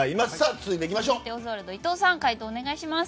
続いて、オズワルド伊藤さん回答をお願いします。